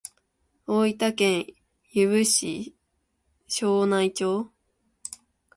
大分県由布市庄内町